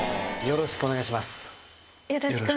よろしくお願いします。